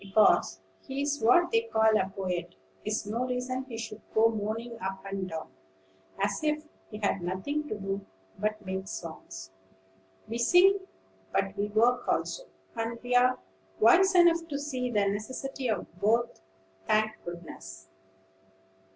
Because he is what they call a poet is no reason he should go moaning up and down, as if he had nothing to do but make songs. We sing, but we work also; and are wise enough to see the necessity of both, thank goodness!"